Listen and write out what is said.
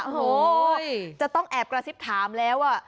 โอ้โหจะต้องแอบกระซิบถามแล้ว